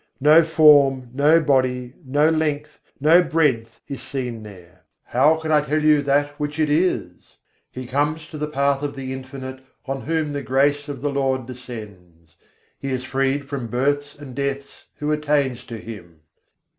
No form, no body, no length, no breadth is seen there: how can I tell you that which it is? He comes to the Path of the Infinite on whom the grace of the Lord descends: he is freed from births and deaths who attains to Him.